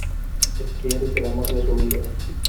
es que eres el amor de su vida.